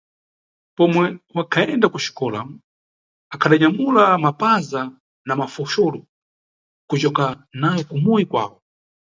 Pomwe wakhayenda kuxikola akhadanyamula mapaza na mafoxolo kucoka nayo kumuyi kwawo.